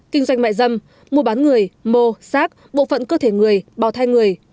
kinh doanh mại dâm mua bán người mô xác bộ phận cơ thể người bào thai người